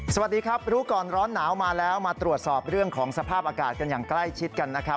สวัสดีครับรู้ก่อนร้อนหนาวมาแล้วมาตรวจสอบเรื่องของสภาพอากาศกันอย่างใกล้ชิดกันนะครับ